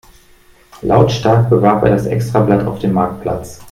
Lautstark bewarb er das Extrablatt auf dem Marktplatz.